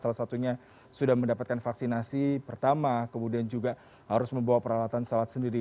salah satunya sudah mendapatkan vaksinasi pertama kemudian juga harus membawa peralatan salat sendiri